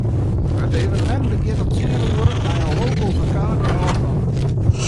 It evenemint begjint om tsien oere mei in run oer ferskate ôfstannen.